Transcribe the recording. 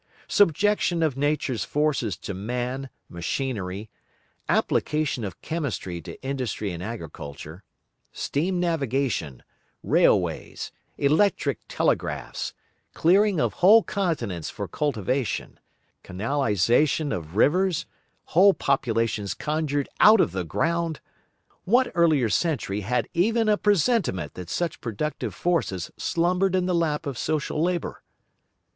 Subjection of Nature's forces to man, machinery, application of chemistry to industry and agriculture, steam navigation, railways, electric telegraphs, clearing of whole continents for cultivation, canalisation of rivers, whole populations conjured out of the ground—what earlier century had even a presentiment that such productive forces slumbered in the lap of social labour?